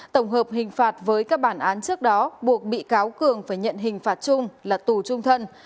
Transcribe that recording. tổng hợp hình phạt với các bản án trước đó buộc bị cáo cường phải nhận hình phạt chung là tù trung thân